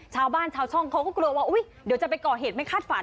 ชาวบ้านชาวช่องเขาก็กลัวว่าอุ๊ยเดี๋ยวจะไปก่อเหตุไม่คาดฝัน